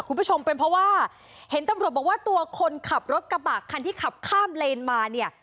คุณผู้ชมเป็นเพราะว่าเห็นตำรวจบอกว่าตัวคนขับรถกระบะคันที่ขับข้ามเลนมาเนี่ย